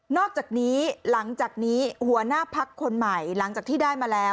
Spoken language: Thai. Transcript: นอกจากนี้หัวหน้าพักคนใหม่หลังจากที่ได้มาแล้ว